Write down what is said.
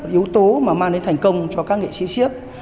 yếu tố mà mang đến thành công cho các nghệ sĩ sip